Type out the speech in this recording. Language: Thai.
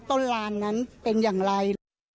ลานนั้นเป็นอย่างไร